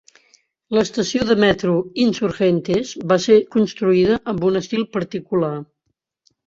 L'estació de metro Insurgentes va ser construïda amb un estil particular.